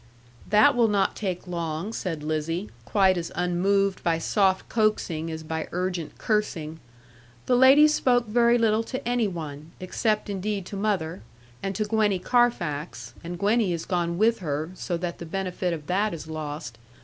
'That will not take long,' said Lizzie, quite as unmoved by soft coaxing as by urgent cursing; 'the lady spoke very little to any one, except indeed to mother, and to Gwenny Carfax; and Gwenny is gone with her, so that the benefit of that is lost.